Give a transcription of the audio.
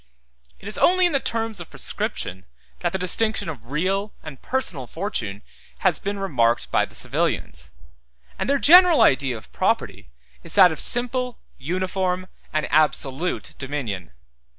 It is only in the term of prescription that the distinction of real and personal fortune has been remarked by the civilians; and their general idea of property is that of simple, uniform, and absolute dominion.